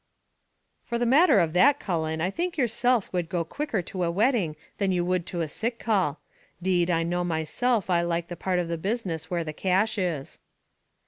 "For the matter of that, Cullen, I think yourself would go quicker to a wedding than you would to a sick call. 'Deed, and I know myself I like the part of the business where the cash is."